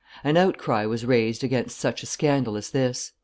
An outcry was raised against such a scandal as this.